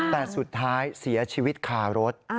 แต่สุดท้ายเสียชีวิตคารถ